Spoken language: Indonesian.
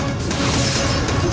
aku akan menangkanmu